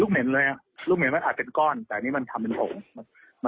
รูปเหมือนมันอาจเป็นก้อนแต่นี่มันทำเป็นอ่ม